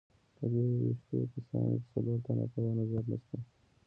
په دې یوویشتو کسانو کې څلور تنه په یوه نظر نسته.